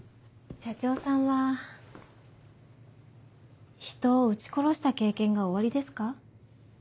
社長さんは人を撃ち殺した経験がおありですか？